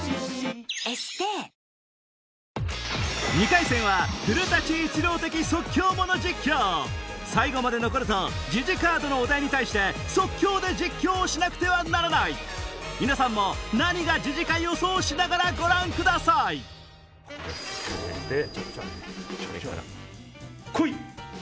２回戦は最後まで残るとジジカードのお題に対して即興で実況しなくてはならない皆さんも何がジジか予想しながらご覧ください来い！